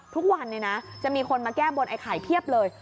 ทุกวันเนี่ยนะจะมีคนมาแก้บนไอ้ไข่เพียบเลย